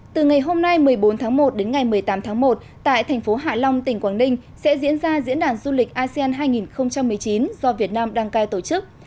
từ ngày hôm nay một mươi bốn tháng một đến ngày một mươi tám tháng một tại thành phố hạ long tỉnh quảng ninh sẽ diễn ra diễn đàn du lịch asean hai nghìn một mươi chín do việt nam đăng cai tổ chức